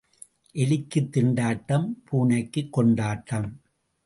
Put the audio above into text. எலிக்குத் திண்டாட்டம் பூனைக்குக் கொண்டாட்டம்.